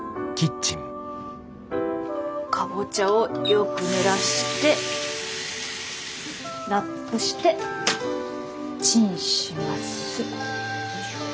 かぼちゃをよくぬらしてラップしてチンします。